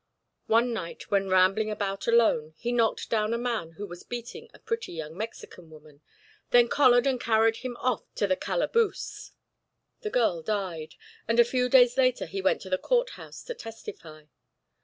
One night, when rambling about alone, he knocked down a man who was beating a pretty young Mexican woman, then collared and carried him off to the calaboose. The girl died, and a few days later he went to the court house to testify.